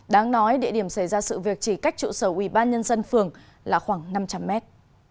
đáng nói địa điểm xảy ra sự việc chỉ cách trụ sở ubnd phường là khoảng năm trăm linh mét